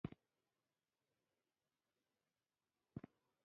خو هغه د صبر او زغم خاوند و.